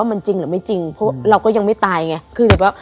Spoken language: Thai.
ว่ามันจริงหรือไม่จริงเราก็ยังไม่ตายไง